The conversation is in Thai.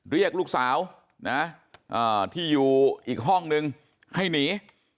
เรียกลูกสาวนะที่อยู่อีกห้องนึงให้หนี